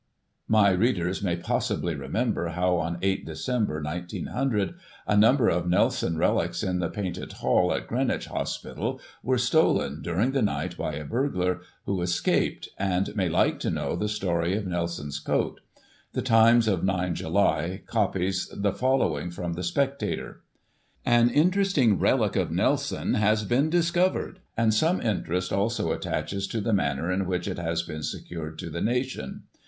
My readers may possibly remember how, on 8 Dec, 1900, a number of Nelson relics in the Painted Hall, at Greenwich Hospital, were stolen, during the night, by a burglar, who escaped ; and may like to know the story of Nelson's coat The Times of 9 July, copies the following from the Spectator :" An interesting relic of Nelson has been discovered ; and some interest also attaches to the manner in which it has been secured to the nation.